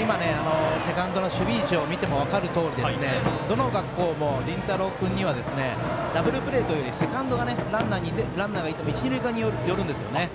今、セカンドの守備位置を見ての分かるとおりどの学校も麟太郎君にはダブルプレーというよりセカンドが、ランナーがいても一、二塁間に寄るんですよね。